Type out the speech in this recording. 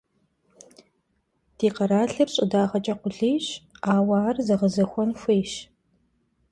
Ди къэралыр щӀыдагъэкӀэ къулейщ, ауэ ар зэгъэзэхуэн хуейщ.